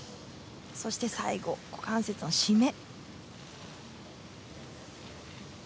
そして、最後股関節の締め。